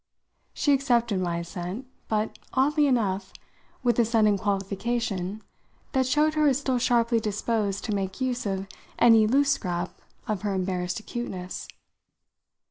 She accepted my assent; but, oddly enough, with a sudden qualification that showed her as still sharply disposed to make use of any loose scrap of her embarrassed acuteness.